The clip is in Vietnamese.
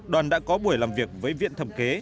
đoàn đã có buổi làm việc với viện thẩm kế